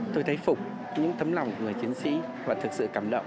tôi thấy phục những tấm lòng của người chiến sĩ và thực sự cảm động